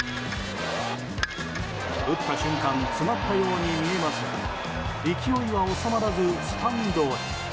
打った瞬間詰まったように見えますが勢いは収まらずスタンドへ。